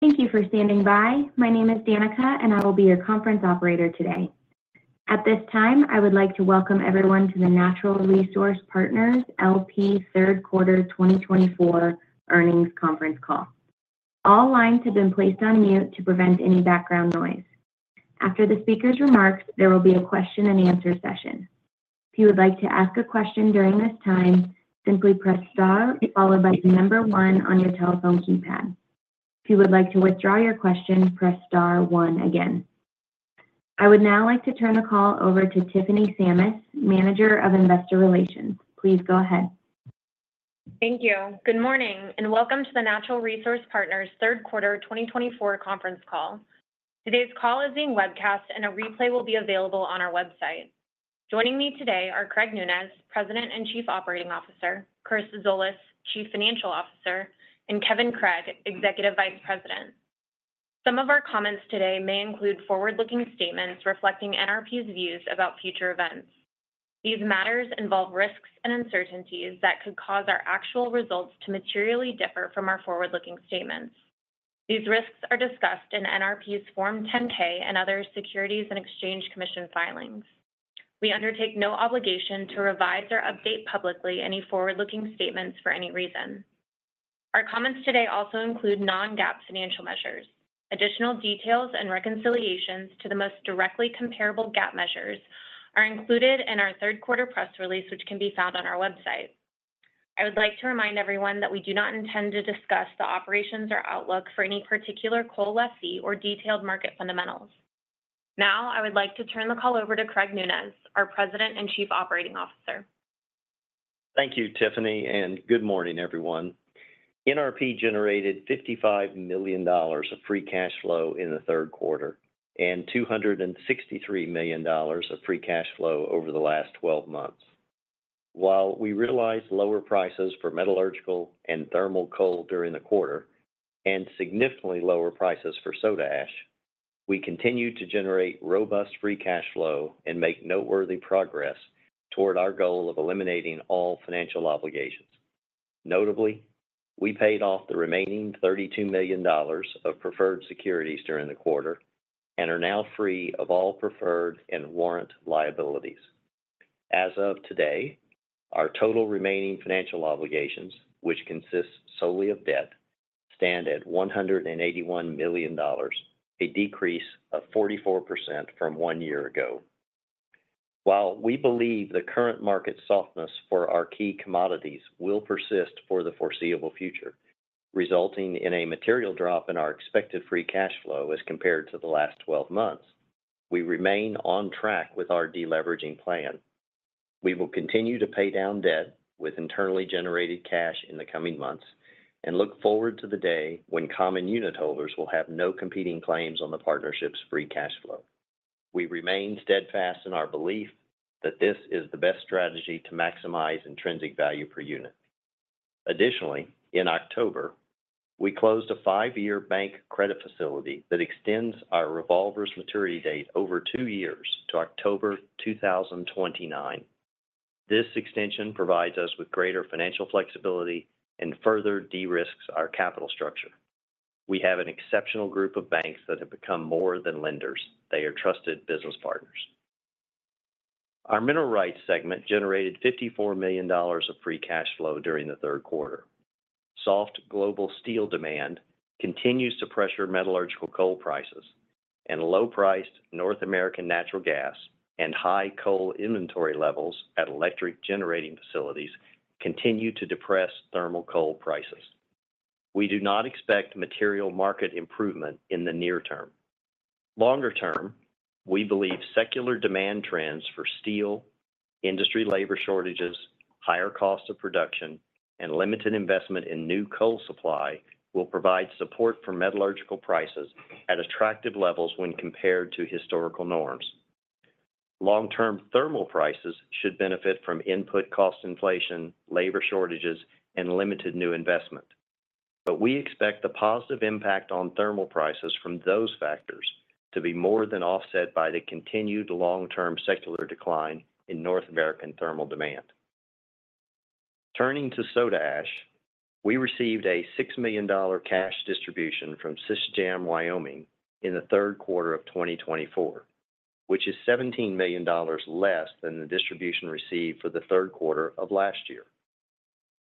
Thank you for standing by. My name is Danica, and I will be your conference operator today. At this time, I would like to welcome everyone to the Natural Resource Partners LP Third Quarter 2024 earnings conference call. All lines have been placed on mute to prevent any background noise. After the speaker's remarks, there will be a question-and-answer session. If you would like to ask a question during this time, simply press star followed by the number one on your telephone keypad. If you would like to withdraw your question, press star one again. I would now like to turn the call over to Tiffany Sammis, Manager of Investor Relations. Please go ahead. Thank you. Good morning and welcome to the Natural Resource Partners Third Quarter 2024 conference call. Today's call is being webcast, and a replay will be available on our website. Joining me today are Craig Nunez, President and Chief Operating Officer; Chris Zolas, Chief Financial Officer; and Kevin Craig, Executive Vice President. Some of our comments today may include forward-looking statements reflecting NRP's views about future events. These matters involve risks and uncertainties that could cause our actual results to materially differ from our forward-looking statements. These risks are discussed in NRP's Form 10-K and other Securities and Exchange Commission filings. We undertake no obligation to revise or update publicly any forward-looking statements for any reason. Our comments today also include non-GAAP financial measures. Additional details and reconciliations to the most directly comparable GAAP measures are included in our third quarter press release, which can be found on our website. I would like to remind everyone that we do not intend to discuss the operations or outlook for any particular coal lessee or detailed market fundamentals. Now, I would like to turn the call over to Craig Nunez, our President and Chief Operating Officer. Thank you, Tiffany, and good morning, everyone. NRP generated $55 million of free cash flow in the third quarter and $263 million of free cash flow over the last 12 months. While we realized lower prices for metallurgical and thermal coal during the quarter and significantly lower prices for soda ash, we continue to generate robust free cash flow and make noteworthy progress toward our goal of eliminating all financial obligations. Notably, we paid off the remaining $32 million of preferred securities during the quarter and are now free of all preferred and warrant liabilities. As of today, our total remaining financial obligations, which consist solely of debt, stand at $181 million, a decrease of 44% from one year ago. While we believe the current market softness for our key commodities will persist for the foreseeable future, resulting in a material drop in our expected free cash flow as compared to the last 12 months, we remain on track with our deleveraging plan. We will continue to pay down debt with internally generated cash in the coming months and look forward to the day when common unit holders will have no competing claims on the partnership's free cash flow. We remain steadfast in our belief that this is the best strategy to maximize intrinsic value per unit. Additionally, in October, we closed a five-year bank credit facility that extends our revolver's maturity date over two years to October 2029. This extension provides us with greater financial flexibility and further de-risk our capital structure. We have an exceptional group of banks that have become more than lenders. They are trusted business partners. Our mineral rights segment generated $54 million of free cash flow during the third quarter. Soft global steel demand continues to pressure metallurgical coal prices, and low-priced North American natural gas and high coal inventory levels at electric generating facilities continue to depress thermal coal prices. We do not expect material market improvement in the near term. Longer term, we believe secular demand trends for steel, industry labor shortages, higher cost of production, and limited investment in new coal supply will provide support for metallurgical prices at attractive levels when compared to historical norms. Long-term thermal prices should benefit from input cost inflation, labor shortages, and limited new investment. But we expect the positive impact on thermal prices from those factors to be more than offset by the continued long-term secular decline in North American thermal demand. Turning to soda ash, we received a $6 million cash distribution from Sisecam Wyoming in the third quarter of 2024, which is $17 million less than the distribution received for the third quarter of last year.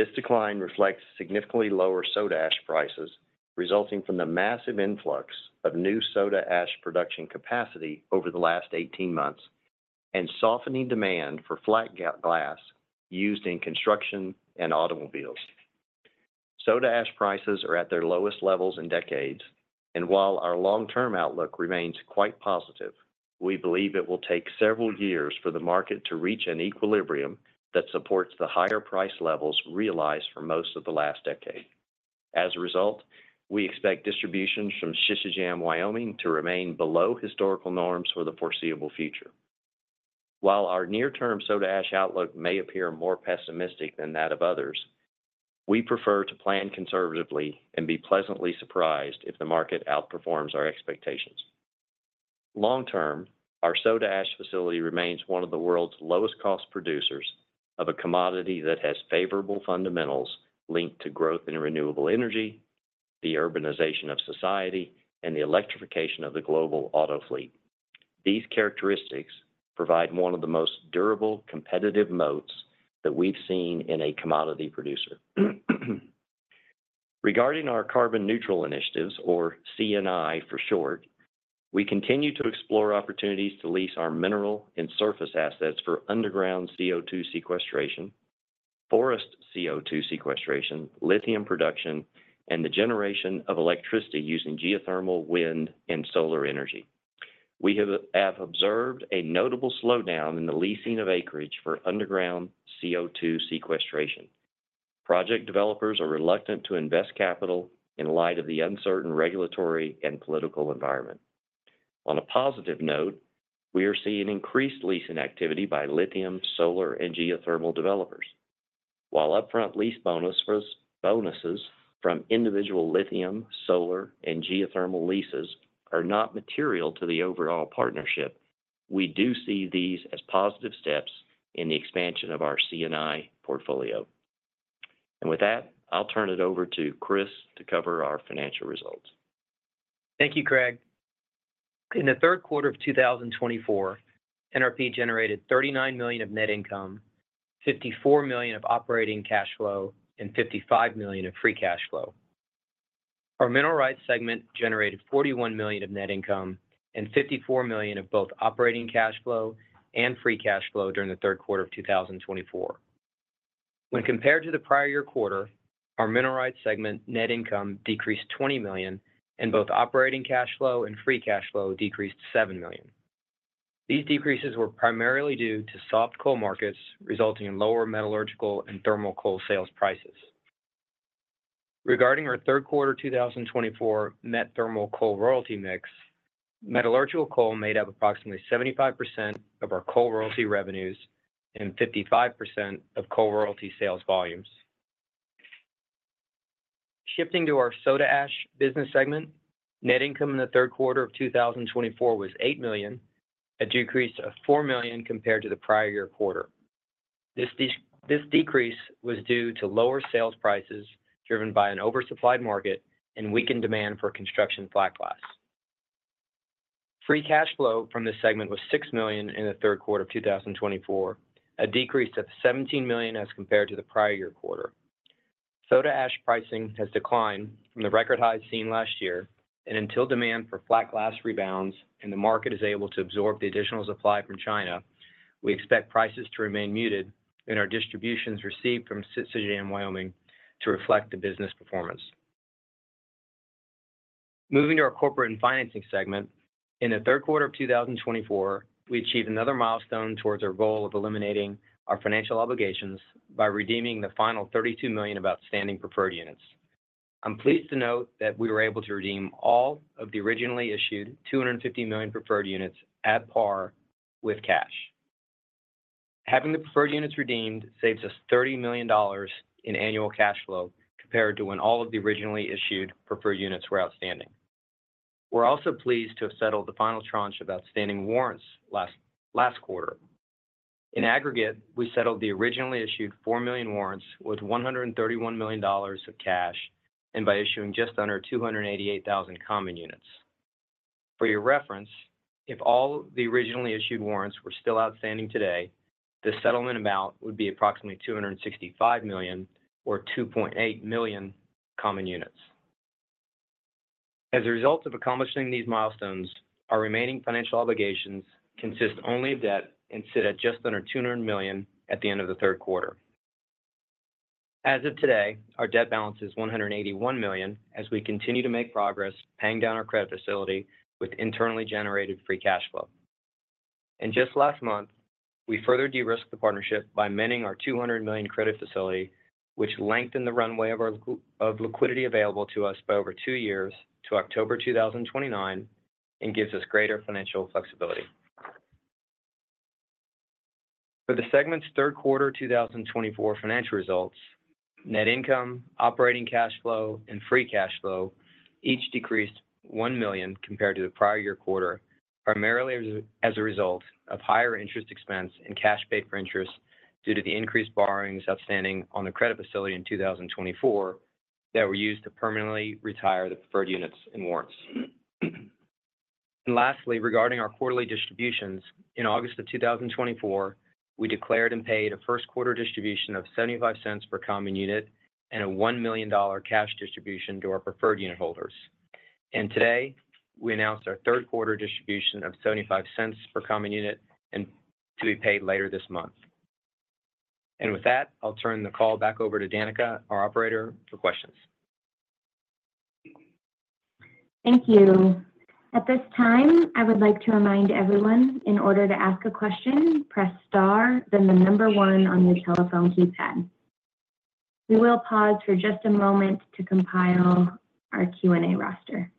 This decline reflects significantly lower soda ash prices resulting from the massive influx of new soda ash production capacity over the last 18 months and softening demand for flat glass used in construction and automobiles. Soda ash prices are at their lowest levels in decades, and while our long-term outlook remains quite positive, we believe it will take several years for the market to reach an equilibrium that supports the higher price levels realized for most of the last decade. As a result, we expect distributions from Sisecam Wyoming to remain below historical norms for the foreseeable future. While our near-term soda ash outlook may appear more pessimistic than that of others, we prefer to plan conservatively and be pleasantly surprised if the market outperforms our expectations. Long term, our soda ash facility remains one of the world's lowest cost producers of a commodity that has favorable fundamentals linked to growth in renewable energy, the urbanization of society, and the electrification of the global auto fleet. These characteristics provide one of the most durable competitive moats that we've seen in a commodity producer. Regarding our Carbon Neutral Initiatives, or CNI for short, we continue to explore opportunities to lease our mineral and surface assets for underground CO2 sequestration, forest CO2 sequestration, lithium production, and the generation of electricity using geothermal, wind, and solar energy. We have observed a notable slowdown in the leasing of acreage for underground CO2 sequestration. Project developers are reluctant to invest capital in light of the uncertain regulatory and political environment. On a positive note, we are seeing increased leasing activity by lithium, solar, and geothermal developers. While upfront lease bonuses from individual lithium, solar, and geothermal leases are not material to the overall partnership, we do see these as positive steps in the expansion of our CNI portfolio, and with that, I'll turn it over to Chris to cover our financial results. Thank you, Craig. In the third quarter of 2024, NRP generated $39 million of net income, $54 million of operating cash flow, and $55 million of free cash flow. Our mineral rights segment generated $41 million of net income and $54 million of both operating cash flow and free cash flow during the third quarter of 2024. When compared to the prior year quarter, our mineral rights segment net income decreased $20 million, and both operating cash flow and free cash flow decreased $7 million. These decreases were primarily due to soft coal markets resulting in lower metallurgical and thermal coal sales prices. Regarding our third quarter 2024 metallurgical and thermal coal royalty mix, metallurgical coal made up approximately 75% of our coal royalty revenues and 55% of coal royalty sales volumes. Shifting to our soda ash business segment, net income in the third quarter of 2024 was $8 million, a decrease of $4 million compared to the prior year quarter. This decrease was due to lower sales prices driven by an oversupplied market and weakened demand for construction flat glass. Free cash flow from this segment was $6 million in the third quarter of 2024, a decrease of $17 million as compared to the prior year quarter. Soda ash pricing has declined from the record highs seen last year, and until demand for flat glass rebounds and the market is able to absorb the additional supply from China, we expect prices to remain muted and our distributions received from Sisecam Wyoming to reflect the business performance. Moving to our corporate and financing segment, in the third quarter of 2024, we achieved another milestone towards our goal of eliminating our financial obligations by redeeming the final $32 million of outstanding preferred units. I'm pleased to note that we were able to redeem all of the originally issued $250 million preferred units at par with cash. Having the preferred units redeemed saves us $30 million in annual cash flow compared to when all of the originally issued preferred units were outstanding. We're also pleased to have settled the final tranche of outstanding warrants last quarter. In aggregate, we settled the originally issued $4 million warrants with $131 million of cash and by issuing just under 288,000 common units. For your reference, if all the originally issued warrants were still outstanding today, the settlement amount would be approximately $265 million or 2.8 million common units. As a result of accomplishing these milestones, our remaining financial obligations consist only of debt and sit at just under $200 million at the end of the third quarter. As of today, our debt balance is $181 million as we continue to make progress paying down our credit facility with internally generated free cash flow. And just last month, we further de-risked the partnership by amending our $200 million credit facility, which lengthened the runway of liquidity available to us by over two years to October 2029 and gives us greater financial flexibility. For the segment's third quarter 2024 financial results, net income, operating cash flow, and free cash flow each decreased $1 million compared to the prior year quarter, primarily as a result of higher interest expense and cash paid for interest due to the increased borrowings outstanding on the credit facility in 2024 that were used to permanently retire the preferred units and warrants. And lastly, regarding our quarterly distributions, in August of 2024, we declared and paid a first quarter distribution of $0.75 per common unit and a $1 million cash distribution to our preferred unit holders. And today, we announced our third quarter distribution of $0.75 per common unit to be paid later this month. And with that, I'll turn the call back over to Danica, our operator, for questions. Thank you. At this time, I would like to remind everyone, in order to ask a question, press star, then the number one on your telephone keypad. We will pause for just a moment to compile our Q&A roster.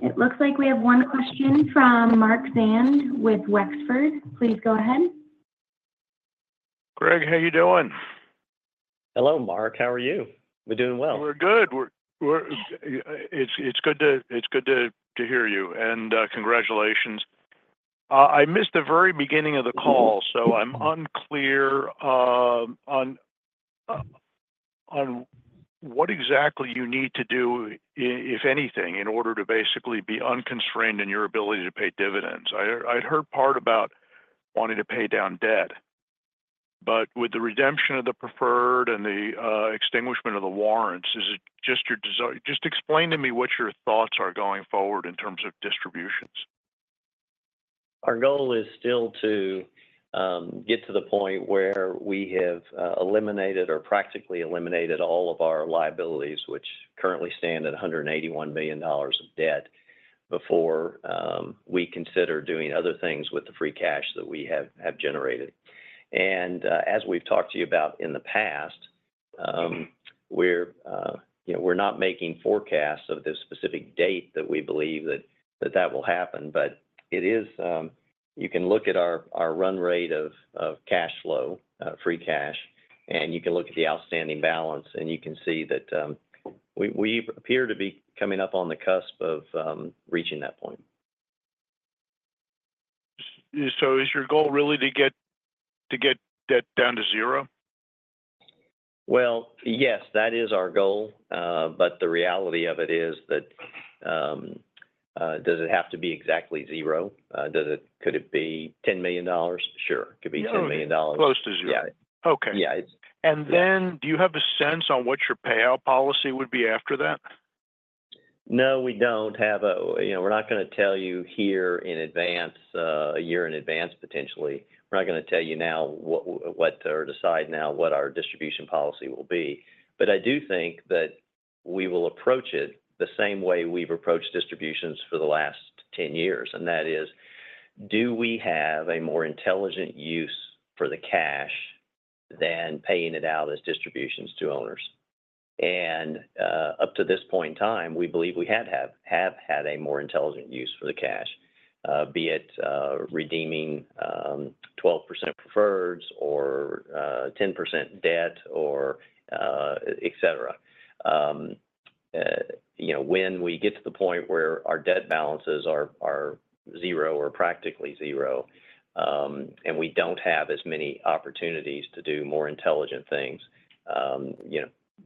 It looks like we have one question from Mark Zand with Wexford. Please go ahead. Craig, how are you doing? Hello, Mark. How are you? We're doing well. We're good. It's good to hear you, and congratulations. I missed the very beginning of the call, so I'm unclear on what exactly you need to do, if anything, in order to basically be unconstrained in your ability to pay dividends. I'd heard part about wanting to pay down debt, but with the redemption of the preferred and the extinguishment of the warrants, is it just? Just explain to me what your thoughts are going forward in terms of distributions. Our goal is still to get to the point where we have eliminated or practically eliminated all of our liabilities, which currently stand at $181 million of debt, before we consider doing other things with the free cash that we have generated, and as we've talked to you about in the past, we're not making forecasts of this specific date that we believe that that will happen, but it is, you can look at our run rate of cash flow, free cash, and you can look at the outstanding balance, and you can see that we appear to be coming up on the cusp of reaching that point. So is your goal really to get debt down to zero? Yes, that is our goal, but the reality of it is that does it have to be exactly zero? Could it be $10 million? Sure. It could be $10 million. Close to zero. Yeah. Okay. Yeah. And then do you have a sense on what your payout policy would be after that? No, we're not going to tell you here in advance, a year in advance, potentially. We're not going to tell you now or decide now what our distribution policy will be. But I do think that we will approach it the same way we've approached distributions for the last 10 years, and that is, do we have a more intelligent use for the cash than paying it out as distributions to owners? And up to this point in time, we believe we have had a more intelligent use for the cash, be it redeeming 12% preferreds or 10% debt, etc. When we get to the point where our debt balances are zero or practically zero and we don't have as many opportunities to do more intelligent things,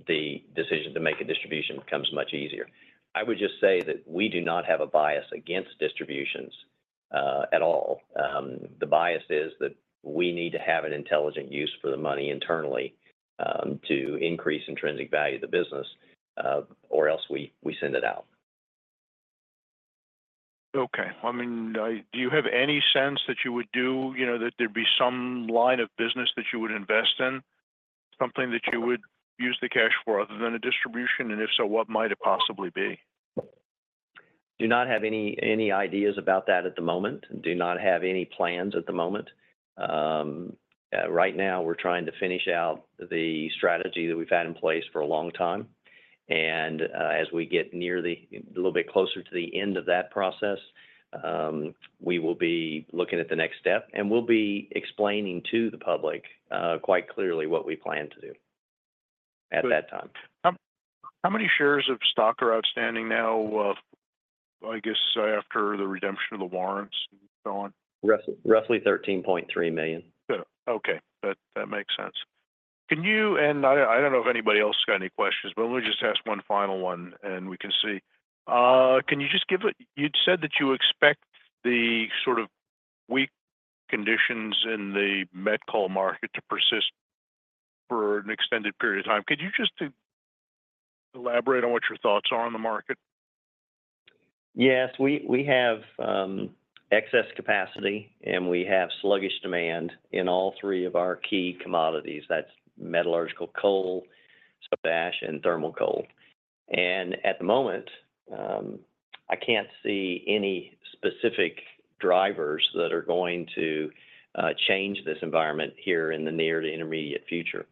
the decision to make a distribution becomes much easier. I would just say that we do not have a bias against distributions at all. The bias is that we need to have an intelligent use for the money internally to increase intrinsic value of the business, or else we send it out. Okay. I mean, do you have any sense that you would do that there'd be some line of business that you would invest in, something that you would use the cash for other than a distribution? And if so, what might it possibly be? Do not have any ideas about that at the moment. Do not have any plans at the moment. Right now, we're trying to finish out the strategy that we've had in place for a long time, and as we get a little bit closer to the end of that process, we will be looking at the next step, and we'll be explaining to the public quite clearly what we plan to do at that time. How many shares of stock are outstanding now, I guess, after the redemption of the warrants and so on? Roughly $13.3 million. Okay. That makes sense, and I don't know if anybody else has got any questions, but let me just ask one final one, and we can see. Can you just give us what you'd said that you expect the sort of weak conditions in the met coal market to persist for an extended period of time? Could you just elaborate on what your thoughts are on the market? Yes. We have excess capacity, and we have sluggish demand in all three of our key commodities. That's metallurgical coal, soda ash, and thermal coal. And at the moment, I can't see any specific drivers that are going to change this environment here in the near to intermediate future.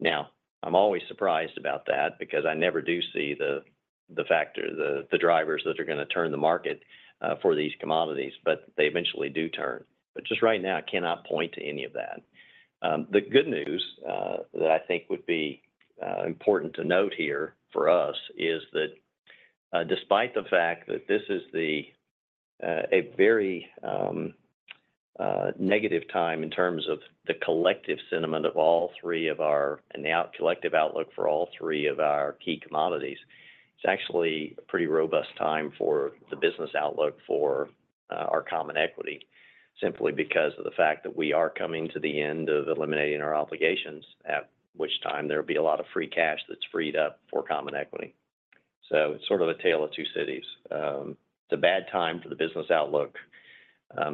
Now, I'm always surprised about that because I never do see the factor, the drivers that are going to turn the market for these commodities, but they eventually do turn. But just right now, I cannot point to any of that. The good news that I think would be important to note here for us is that despite the fact that this is a very negative time in terms of the collective sentiment of all three of our and the collective outlook for all three of our key commodities, it's actually a pretty robust time for the business outlook for our common equity, simply because of the fact that we are coming to the end of eliminating our obligations, at which time there will be a lot of free cash that's freed up for common equity, so it's sort of a tale of two cities. It's a bad time for the business outlook.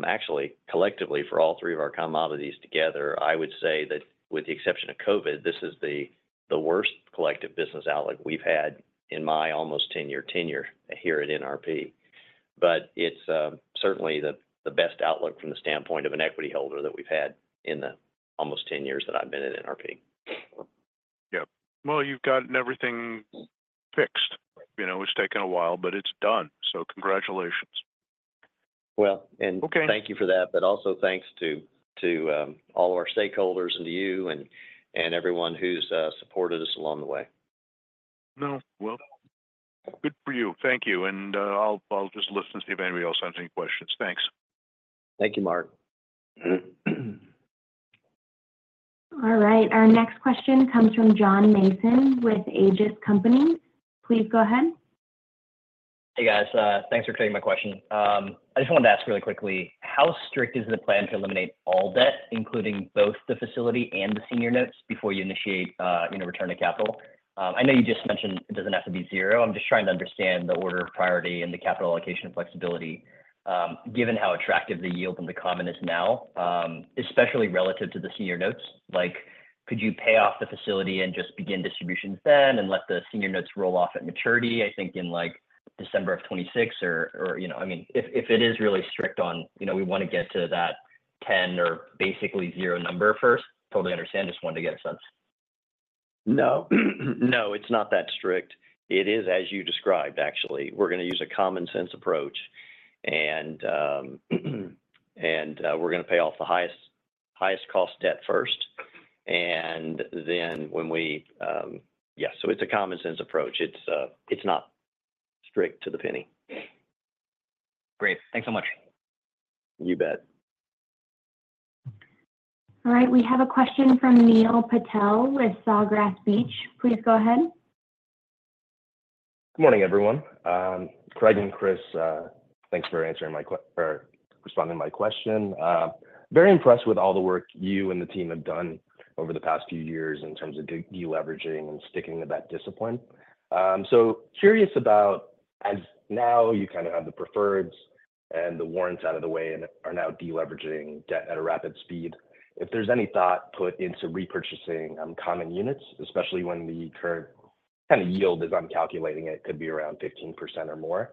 Actually, collectively for all three of our commodities together, I would say that with the exception of COVID, this is the worst collective business outlook we've had in my almost 10-year tenure here at NRP. But it's certainly the best outlook from the standpoint of an equity holder that we've had in the almost 10 years that I've been at NRP. Yeah. Well, you've gotten everything fixed. It's taken a while, but it's done. So congratulations. Well, and thank you for that, but also thanks to all of our stakeholders and to you and everyone who's supported us along the way. No. Well, good for you. Thank you. And I'll just listen to see if anybody else has any questions? Thanks. Thank you, Mark. All right. Our next question comes from John Mason with Aegis Company. Please go ahead. Hey, guys. Thanks for taking my question. I just wanted to ask really quickly, how strict is the plan to eliminate all debt, including both the facility and the senior notes before you initiate return to capital? I know you just mentioned it doesn't have to be zero. I'm just trying to understand the order of priority and the capital allocation flexibility, given how attractive the yield on the common is now, especially relative to the senior notes. Could you pay off the facility and just begin distributions then and let the senior notes roll off at maturity, I think, in December of 2026? Or, I mean, if it is really strict on we want to get to that 10 or basically zero number first. Totally understand. Just wanted to get a sense. No. No, it's not that strict. It is as you described, actually. We're going to use a common-sense approach, and we're going to pay off the highest-cost debt first. And then when we yeah. So it's a common-sense approach. It's not strict to the penny. Great. Thanks so much. You bet. All right. We have a question from Neil Patel with Sawgrass Asset Management. Please go ahead. Good morning, everyone. Craig and Chris, thanks for responding to my question. Very impressed with all the work you and the team have done over the past few years in terms of deleveraging and sticking to that discipline. So curious about, as now you kind of have the preferreds and the warrants out of the way and are now deleveraging debt at a rapid speed, if there's any thought put into repurchasing common units, especially when the current kind of yield is attractive, it could be around 15% or more.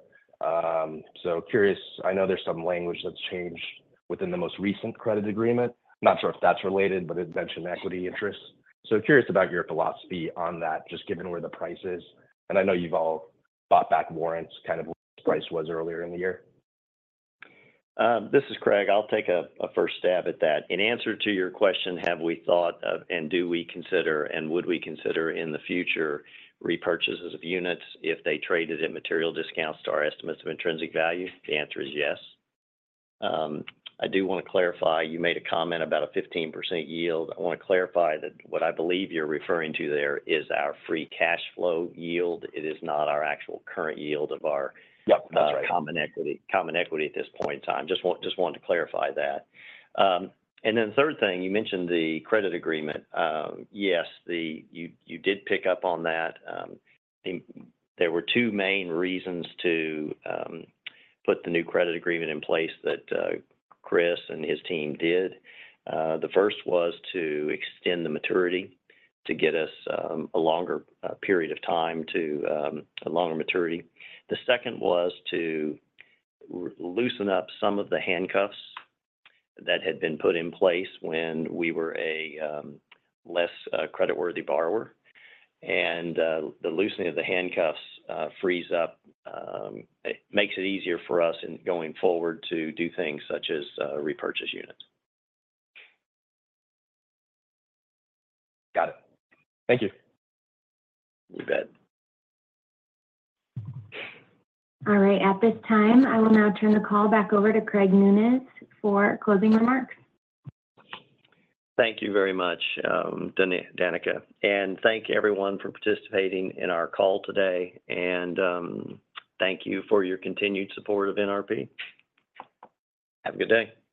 So curious. I know there's some language that's changed within the most recent credit agreement. Not sure if that's related, but it mentioned equity interests. So curious about your philosophy on that, just given where the price is. And I know you've all bought back warrants kind of what the price was earlier in the year. This is Craig. I'll take a first stab at that. In answer to your question, have we thought of and do we consider and would we consider in the future repurchases of units if they traded at material discounts to our estimates of intrinsic value? The answer is yes. I do want to clarify. You made a comment about a 15% yield. I want to clarify that what I believe you're referring to there is our free cash flow yield. It is not our actual current yield of our. Yeah. That's right. Common equity at this point in time. Just wanted to clarify that. And then the third thing, you mentioned the credit agreement. Yes, you did pick up on that. There were two main reasons to put the new credit agreement in place that Chris and his team did. The first was to extend the maturity to get us a longer period of time to a longer maturity. The second was to loosen up some of the handcuffs that had been put in place when we were a less creditworthy borrower. And the loosening of the handcuffs frees up. It makes it easier for us in going forward to do things such as repurchase units. Got it. Thank you. You bet. All right. At this time, I will now turn the call back over to Craig Nunez for closing remarks. Thank you very much, Danica. And thank everyone for participating in our call today. And thank you for your continued support of NRP. Have a good day.